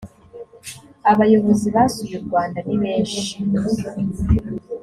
abayobozi basuye u rwanda nibeshi.